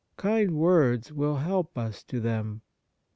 Kind words will help us to them.